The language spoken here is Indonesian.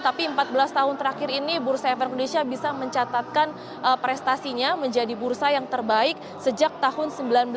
tapi empat belas tahun terakhir ini bursa efek indonesia bisa mencatatkan prestasinya menjadi bursa yang terbaik sejak tahun seribu sembilan ratus sembilan puluh